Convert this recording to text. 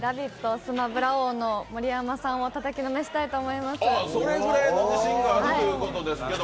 スマブラ王の盛山さんをたたき落としたいと思います。